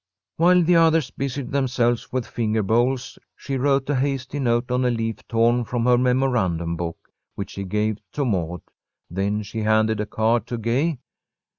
While the others busied themselves with finger bowls, she wrote a hasty note on a leaf torn from her memorandum book, which she gave to Maud. Then she handed a card to Gay.